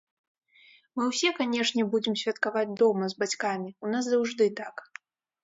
Мы ўсе, канешне, будзем святкаваць дома, з бацькамі, у нас заўжды так.